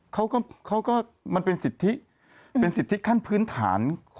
เค้าก็มันเป็นสิทธิ์เป็นสิทธิ์ที่ขั้นพื้นฐาน